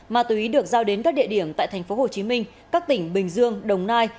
ma túy được giao đến các địa điểm tại tp hcm các tỉnh bình dương đồng nai